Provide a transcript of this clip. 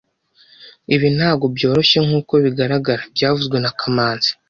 Ibi ntabwo byoroshye nkuko bigaragara byavuzwe na kamanzi